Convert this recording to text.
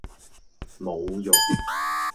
侮辱